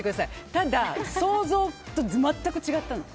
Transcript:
ただ想像とは全く違ったの。